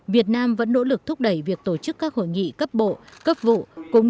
việt nam vẫn nỗ lực thúc đẩy việc tổ chức các hội nghị cấp bộ cấp vụ